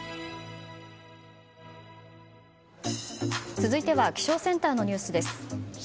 続いては気象センターのニュースです。